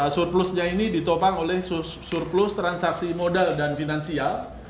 surplusnya ini ditopang oleh surplus transaksi modal dan finansial